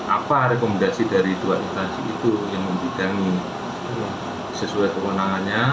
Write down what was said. apa rekomendasi dari dua instansi itu yang memberikan sesuai kewenangannya